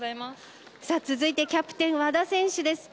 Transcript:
続いてキャプテン和田選手です。